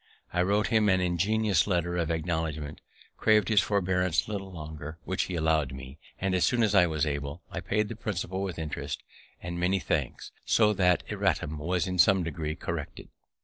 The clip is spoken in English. I wrote him an ingenuous letter of acknowledgment, crav'd his forbearance a little longer, which he allow'd me, and as soon as I was able, I paid the principal with interest, and many thanks; so that erratum was in some degree corrected.